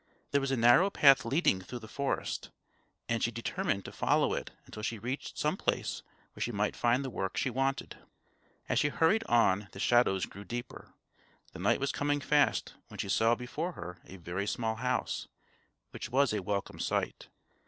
There was a narrow path leading through the forest, and she determined to follow it until she reached some place where she might find the work she wanted. As she hurried on, the shadows grew deeper. The night was coming fast when she saw before her a very small house, which was a welcome sight.